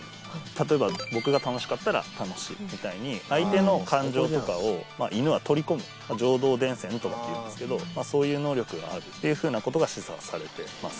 例えば僕が楽しかったら楽しいみたいに相手の感情とかをあもう最高じゃん犬は取り込む情動伝染とかっていうんですけどそういう能力があるっていうふうなことが示唆されています